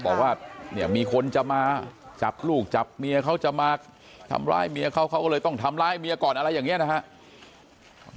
บอกว่าเนี่ยมีคนจะมาจับลูกจับเมียเขาจะมาทำร้ายเมียเขาเขาก็เลยต้องทำร้ายเมียก่อนอะไรอย่างนี้นะครับ